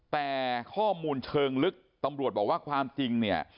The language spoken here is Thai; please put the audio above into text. แต่ข้อมูลเชิงลึกตำรวจบอกว่าความจริงเนี่ย